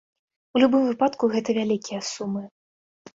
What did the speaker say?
У любым выпадку гэта вялікія сумы.